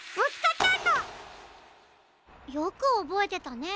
よくおぼえてたね。